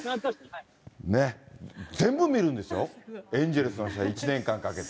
全部見るんですよ、エンゼルスの試合、１年間かけて。